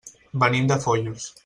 Venim de Foios.